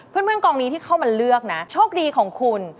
เพื่อนกองนี้ที่เข้ามาเลือกนะโชคดีของคุณ